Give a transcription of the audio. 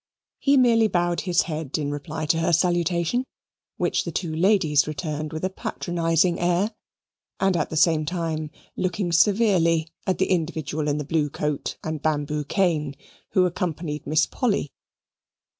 He merely bowed his head in reply to her salutation, which the two ladies returned with a patronizing air, and at the same time looking severely at the individual in the blue coat and bamboo cane who accompanied Miss Polly.